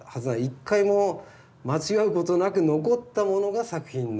一回も間違うことなく残ったものが作品なわけだから。